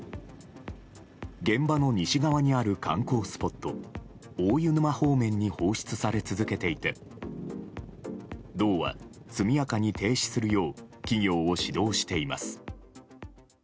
現場の西側にある観光スポット大湯沼方面に放出され続けていて道は、速やかに停止するよう企業を指導しています。